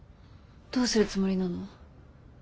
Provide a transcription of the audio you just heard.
どうするつもりなの？